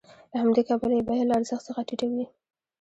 له همدې کبله یې بیه له ارزښت څخه ټیټه وي